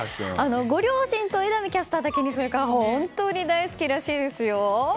ご両親と榎並キャスターだけにするから本当に大好きらしいですよ。